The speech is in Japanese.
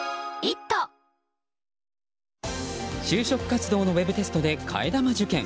就職活動のウェブテストで替え玉受験。